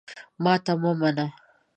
ماته مه منه !